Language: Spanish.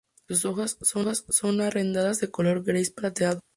Sus hojas son aserradas de color gris plateado.